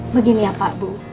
begini ya pak bu